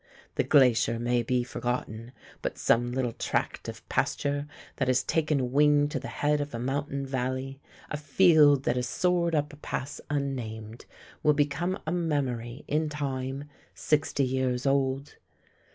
The glacier may be forgotten, but some little tract of pasture that has taken wing to the head of a mountain valley, a field that has soared up a pass unnamed, will become a memory, in time, sixty years old.